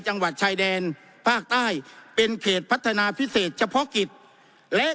จังหวัดชายแดนภาคใต้เป็นเขตพัฒนาพิเศษเฉพาะกิจและ